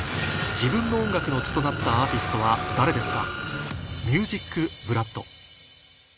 自分の音楽の血となったアーティストは誰ですか？